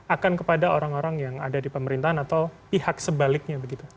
akan kepada orang orang yang ada di pemerintahan atau pihak sebaliknya begitu